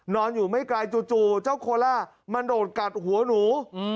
นอนอยู่ไม่ไกลจู่เจ้าโคล่ามาโดดกัดหัวหนู